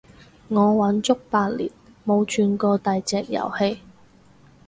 我玩足八年冇轉過第隻遊戲